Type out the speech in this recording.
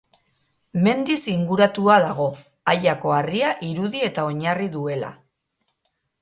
Mendiz inguratua dago, Aiako Harria irudi eta oinarri duela.